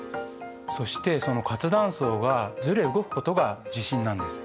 そしてその活断層がずれ動くことが地震なんです。